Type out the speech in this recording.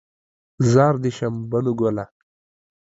زار دې شم بنو ګله